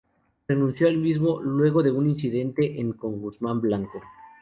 Renunció al mismo luego de un incidente en con Guzmán Blanco.